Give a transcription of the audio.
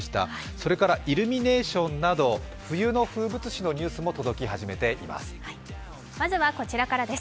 それからイルミネーションなど冬の風物詩のニュースも届き始めています。